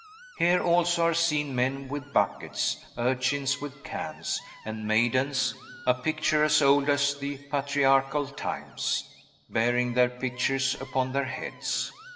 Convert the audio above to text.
Here, also, are seen men with buckets, urchins with cans, and maidens (a picture as old as the patriarchal times) bearing their pitchers upon their heads.